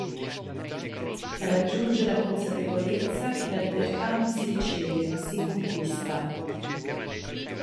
Raggiunge la consapevolezza che la libertà non si riceve, ma si conquista.